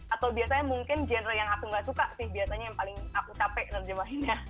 atau biasanya mungkin genre yang aku gak suka sih biasanya yang paling aku capek nerjemahinnya